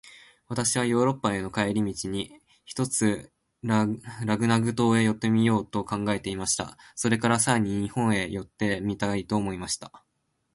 私はヨーロッパへの帰り途に、ひとつラグナグ島へ寄ってみようと考えていました。それから、さらに日本へも寄ってみたいと思いました。